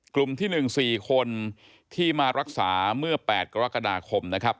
กลุ่มที่๑๔คนที่มารักษาเมื่อ๘กรกฎาคมนะครับ